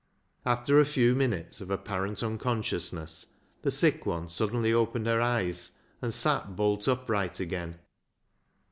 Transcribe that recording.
After a few minutes of apparent unconscious ness, the sick one suddenly opened her eyes, and sat bolt upright again.